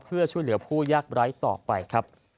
เพื่อช่วยเหลือผู้ย่าง